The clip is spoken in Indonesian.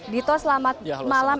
dito selamat malam